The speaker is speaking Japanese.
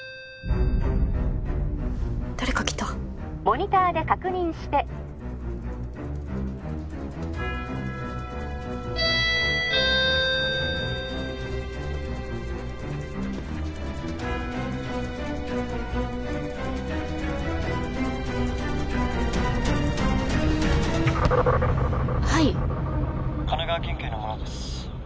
誰か来た☎モニターで確認してはい神奈川県警の者です